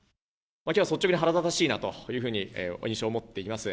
きょうは率直に腹立たしいなという印象を持っています。